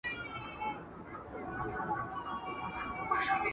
خو د دې قوم د یو ځای کولو !.